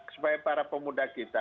supaya para pemuda kita